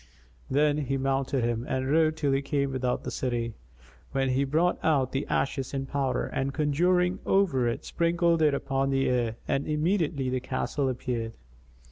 Then he mounted him and rode till he came without the city, when he brought out the ashes in powder and conjuring over it sprinkled it upon the air and immediately the Castle appeared.